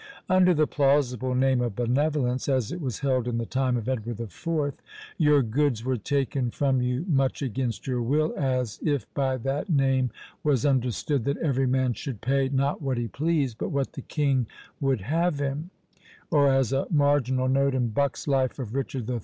"Under the plausible name of benevolence, as it was held in the time of Edward IV., your goods were taken from you much against your will, as if by that name was understood that every man should pay, not what he pleased, but what the king would have him;" or, as a marginal note in Buck's Life of Richard III.